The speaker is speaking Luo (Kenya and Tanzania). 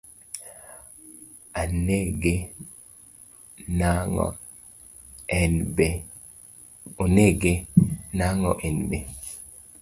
Anege nag'o en be?